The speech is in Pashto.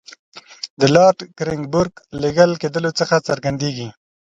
د لارډ کرېنبروک لېږل کېدلو څخه څرګندېږي.